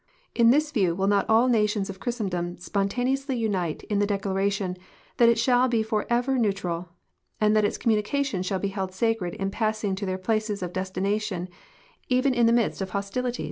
In this view will not all nations of f'hristendom spontaneously unite in the declaration that it shall lu for ever neutral, and that its communications shall be held sacred in passing to their places of destination, even in the midst of hostilities?"